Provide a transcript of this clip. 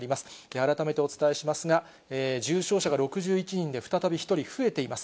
改めてお伝えしますが、重症者が６１人で、再び１人増えています。